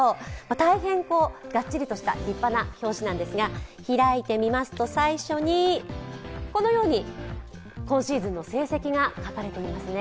大変がっちりとした立派な表紙なんですが、開いてみますと、最初に今シーズンの成績が書かれています。